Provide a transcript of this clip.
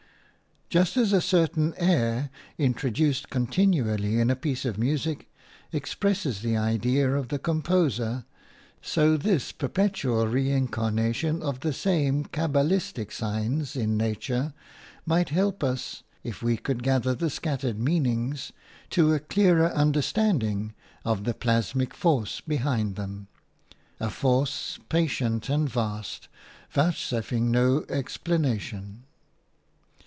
Just as a certain air, introduced continually in a piece of music, expresses the idea of the composer, so this perpetual reincarnation of the same cabalistic signs in nature might help us, if we could gather the scattered meanings, to a clearer understanding of the plasmic force behind them – a force patient and vast, vouchsafing no explanation.